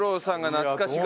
懐かしい！